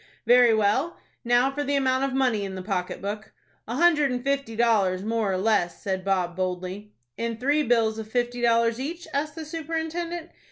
"Very well. Now for the amount of money in the pocket book." "A hundred and fifty dollars, more or less," said Bob, boldly. "In three bills of fifty dollars each?" asked the superintendent.